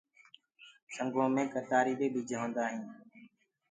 سنگو دي ڪتآري مي ڀج هوندآ هينٚ۔